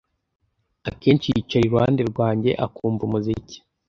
Akenshi yicara iruhande rwanjye akumva umuziki.